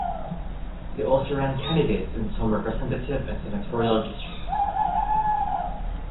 They also ran candidates in some representative and senatorial districts.